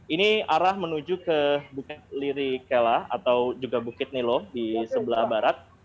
ini arah menuju ke bukit lirikella atau juga bukit nilo di sebelah barat